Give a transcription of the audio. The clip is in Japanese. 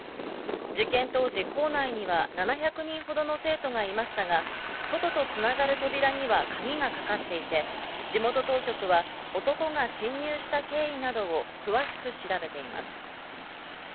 事件当時、校内には７００人ほどの生徒がいましたが、外とつながる扉には鍵がかかっていて、地元当局は男が侵入した経緯などを詳しく調べています。